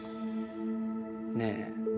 ねえ。